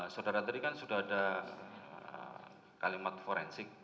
saudara tadi kan sudah ada kalimat forensik